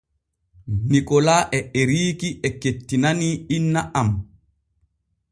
Nikola e Eriiki e kettinanii inna am.